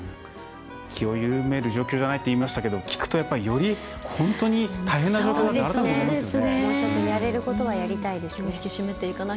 気を緩める状況じゃないと言いましたけど聞くと、より本当に大変な状況だと改めて思いますね。